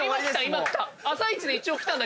今来た。